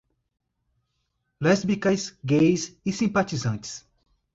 Lésbicas, gays e simpatizantes